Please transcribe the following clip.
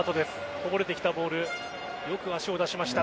こぼれてきたボールよく足を出しました。